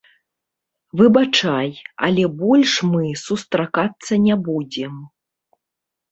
Выбачай, але больш мы сустракацца не будзем.